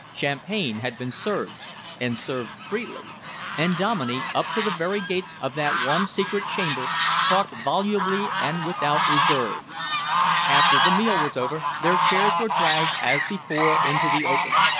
Champagne had been served and served freely, and Dominey, up to the very gates of that one secret chamber, talked volubly and without reserve. After the meal was over, their chairs were dragged as before into the open.